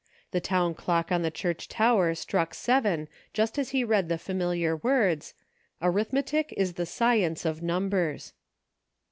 The town clock on the church tower struck seven just as he read the familiar words, " Arithmetic is the science of num bers."